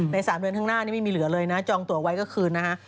๓เดือนข้างหน้านี้ไม่มีเหลือเลยนะจองตัวไว้ก็คืนนะฮะ